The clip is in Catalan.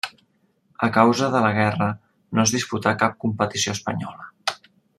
A causa de la guerra no es disputà cap competició espanyola.